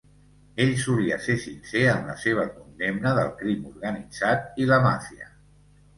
Ell solia ser sincer en la seva condemna del crim organitzat i la màfia.